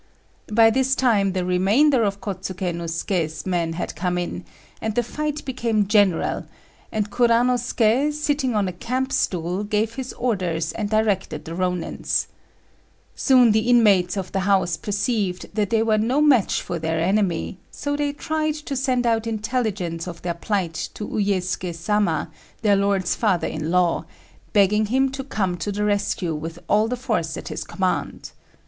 By this time the remainder of Kôtsuké no Suké's men had come in, and the fight became general; and Kuranosuké, sitting on a camp stool, gave his orders and directed the Rônins. Soon the inmates of the house perceived that they were no match for their enemy, so they tried to send out intelligence of their plight to Uyésugi Sama, their lord's father in law, begging him to come to the rescue with all the force at his command.